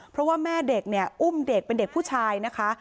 เพราะว่าแม่เด็กเนี่ยอุ้มเด็กเป็นเด็กผู้ชายนะคะ